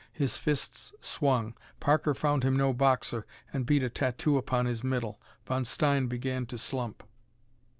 His fists swung. Parker found him no boxer, and beat a tattoo upon his middle. Von Stein began to slump.